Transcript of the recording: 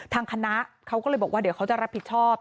ทางคณะเขาก็เลยบอกว่าเดี๋ยวเขาจะรับผิดชอบ